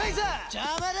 邪魔だ！